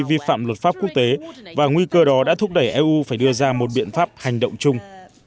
vi phạm luật pháp quốc tế và nguy cơ đó đã thúc đẩy eu phải đưa ra một biện pháp hành động chung